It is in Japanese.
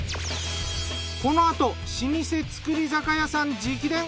このあと老舗造り酒屋さん直伝。